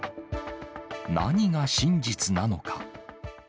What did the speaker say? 何が真実なのか。